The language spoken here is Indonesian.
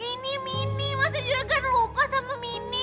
ini mini masih juragan lupa sama mini